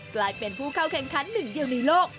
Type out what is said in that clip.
กลายเป็นผู้เข้าแข่งขันหนึ่งเดียวในโลก